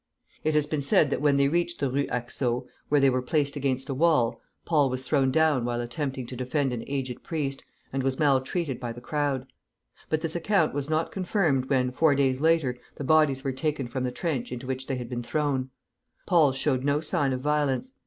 It has been said that when they reached the Rue Haxo, where they were placed against a wall, Paul was thrown down while attempting to defend an aged priest, and was maltreated by the crowd; but this account was not confirmed when, four days later, the bodies were taken from the trench into which they had been thrown: Paul's showed no sign of violence.